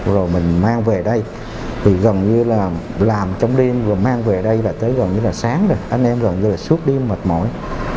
rồi mình mang về đây thì gần như là làm trong đêm rồi mang về đây là tới gần như là sáng rồi anh em gần như là suốt đêm mệt mỏi